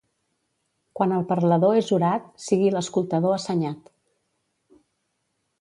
Quan el parlador és orat, sigui l'escoltador assenyat.